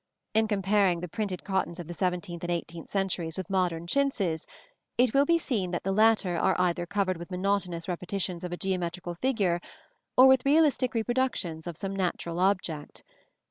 In comparing the printed cottons of the seventeenth and eighteenth centuries with modern chintzes, it will be seen that the latter are either covered with monotonous repetitions of a geometrical figure, or with realistic reproductions of some natural object.